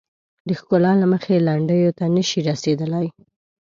د ښکلا له مخې لنډیو ته نه شي رسیدلای.